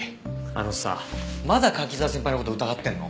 あのさまだ柿沢先輩の事を疑ってるの？